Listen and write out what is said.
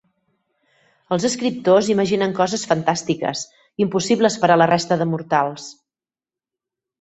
Els escriptors imaginen coses fantàstiques impossibles per a la resta de mortals.